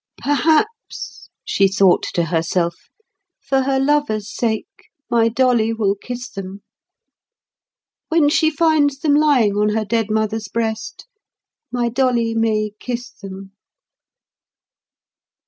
"Perhaps," she thought to herself, "for her lover's sake, my Dolly will kiss them. When she finds them lying on her dead mother's breast, my Dolly may kiss them."